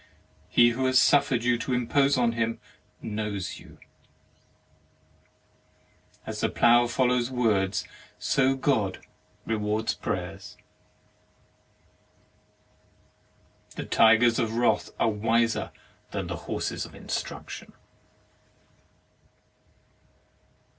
He who has suffered you to impose on him knows you. As the plough follows words, so God rewards prayers. The tigers of wrath are wiser than the horses of instruction.